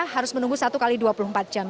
harus menunggu satu x dua puluh empat jam